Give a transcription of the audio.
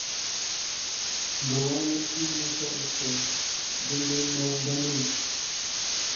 Guma net dik na kaɗa tät didine marbani.